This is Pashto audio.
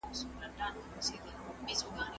طلاق که د عوض سره ملګری وي، نو هغه بائن طلاق دی.